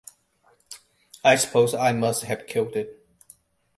I suppose I must have killed it.